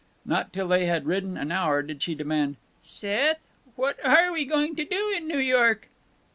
Not till they had ridden for an hour did she demand, "Seth, what are we going to do in New York?"